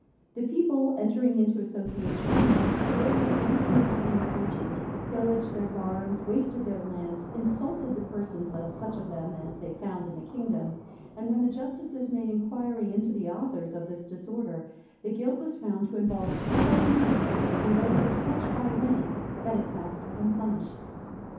The people, entering into associations, rose against the Italian clergy; pillaged their barns; wasted their lands; insulted the persons of such of them as they found in the kingdom;[*] and when the justices made inquiry into the authors of this disorder, the guilt was found to involve so many, and those of such high rank, that it passed unpunished.